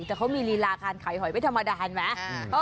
แต่เขามีลีลาการขายหอยไม่ธรรมดาเห็นไหม